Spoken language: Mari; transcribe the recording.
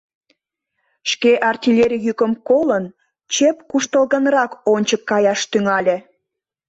Шке артиллерий йӱкым колын, чеп куштылгынрак ончык каяш тӱҥале...